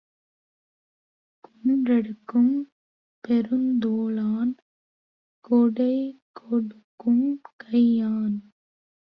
குன்றெடுக்கும் பெருந்தோளான் கொடைகொடுக்கும் கையான்!